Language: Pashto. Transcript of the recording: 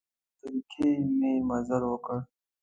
پوره لس دقیقې مې مزل وکړ.